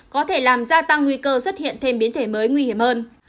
có thể làm gia tăng nguy cơ xuất hiện thêm biến thể mới nguy hiểm hơn